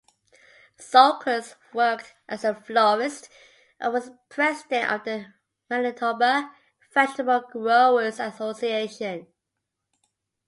Sulkers worked as a florist, and was president of the Manitoba Vegetable Growers Association.